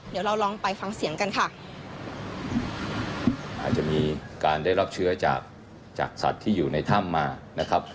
เดี๋ยวเราลองไปฟังเสียงกันค่ะอาจจะมีการได้รับเชื้อจากจากสัตว์ที่อยู่ในถ้ำมานะครับ